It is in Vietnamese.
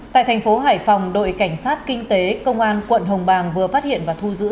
tại thành phố hải phòng đội cảnh sát kinh tế công an quận hồng bàng vừa phát hiện và thu giữ